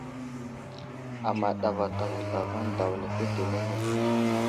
Amaɗ avatavo zlavaŋ daw lefetenene.